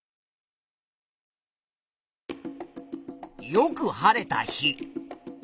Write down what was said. よく晴れた日。